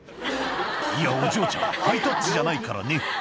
いや、お嬢ちゃん、ハイタッチじゃないからね。